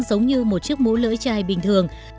giống như một chiếc mũ lưỡi chai bình thường